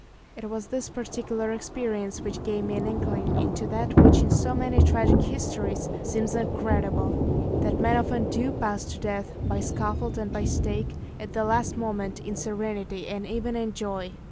It was this particular experience which gave me an inkling into that which in so many tragic histories seems incredible that men often do pass to death, by scaffold and by stake, at the last moment, in serenity and even in joy.